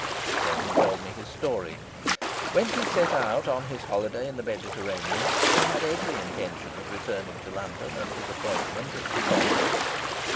Then he told me his story. When he set out on his holiday in the Mediterranean he had every intention of returning to London and his appointment at St. Thomas's.